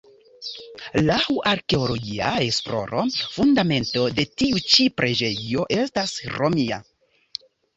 Laŭ arkeologia esploro fundamento de tiu ĉi preĝejo estas Romia.